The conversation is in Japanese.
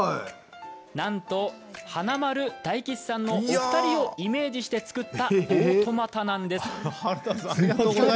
なんと華丸・大吉さんのお二人をイメージして作ったオートマタなんです。